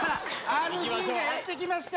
ＲＧがやって来ました。